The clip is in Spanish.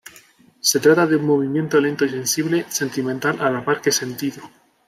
Se trata de un movimiento lento y sensible, sentimental a la par que sentido.